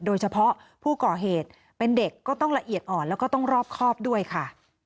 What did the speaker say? โดยเฉพาะผู้ก่อเหตุเป็นเด็กก็ต้องละเอียดอ่อนแล้วก็ต้องรอบครอบด้วยค่ะ